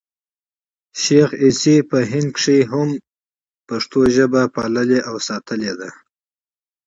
شېخ عیسي په هند کښي هم پښتو ژبه پاللـې او ساتلې ده.